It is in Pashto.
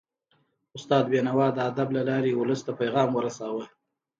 استاد بينوا د ادب له لارې ولس ته پیغام ورساوه.